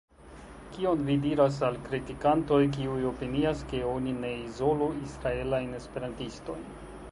Kion vi diras al kritikantoj, kiuj opinias, ke oni ne izolu israelajn esperantistojn?